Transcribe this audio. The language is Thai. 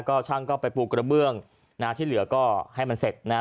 ก็ช่างก็ไปปูกระเบื้องนะฮะที่เหลือก็ให้มันเสร็จนะฮะ